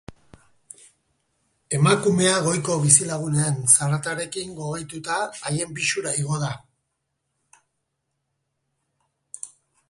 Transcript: Emakumea, goiko bizilagunen zaratekin gogaituta, haien pisura igo da.